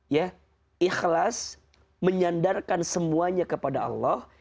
ya ikhlas menyandarkan semuanya kepada allah